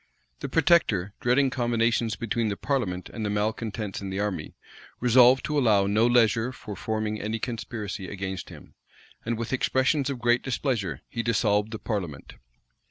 The protector, dreading combinations between the parliament and the malecontents in the army, resolved to allow no leisure for forming any conspiracy against him; and, with expressions of great displeasure, he dissolved the parliament.